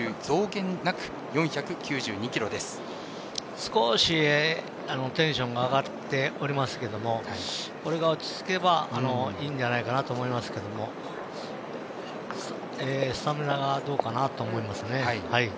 少しテンションが上がっておりますけれどもこれが落ち着けばいいんじゃないかなと思いますけどもスタミナがどうかなと思いますね。